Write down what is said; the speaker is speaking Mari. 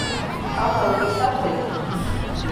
Ала огешат лек?